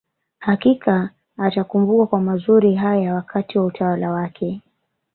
Hakika atakumbukwa kwa mazuri haya wakati wa utawala wake